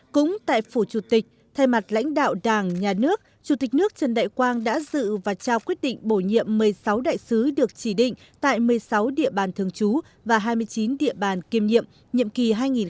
cũng tại phủ chủ tịch thay mặt lãnh đạo đảng nhà nước chủ tịch nước trần đại quang đã dự và trao quyết định bổ nhiệm một mươi sáu đại sứ được chỉ định tại một mươi sáu địa bàn thường trú và hai mươi chín địa bàn kiêm nhiệm nhiệm kỳ hai nghìn một mươi năm hai nghìn hai mươi